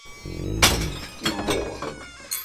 Yemmuɣben.